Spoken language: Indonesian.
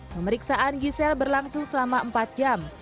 pemeriksaan giselle berlangsung selama empat jam